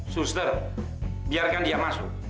suster biarkan dia masuk